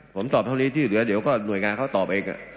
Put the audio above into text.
ผมตอบเท่านี้ที่เหลือเดี๋ยวก็หน่วยงานเขาตอบเอง